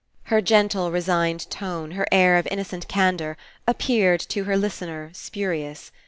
Her gentle resigned tone, her air of in nocent candour, appeared, to her listener, spuri ous.